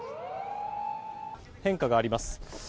変化があります。